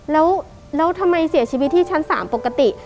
แล้วทำไมเสียชีวิตที่ชั้น๓ปกติ